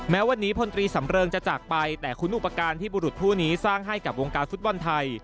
แม้วันนี้พลตรีสำเริงจะจากไปแต่คุณอุปการณ์ที่บุรุษผู้นี้สร้างให้กับวงการฟุตบอลไทย